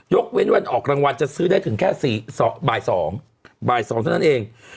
ยกเว้นวันออกรางวัลจะซื้อได้ถึงแค่บ่าย๒ทั้งนั้นเอง